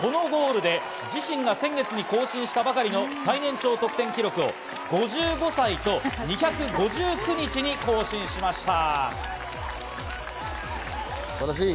このゴールで自身が先月に更新したばかりの最年長得点記録を５５歳と２５９日に更新しました。